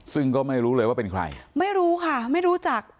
ซึ่งก็ไม่รู้เลยว่าเป็นใครไม่รู้ค่ะไม่รู้จัก